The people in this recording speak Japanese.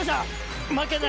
巻けない！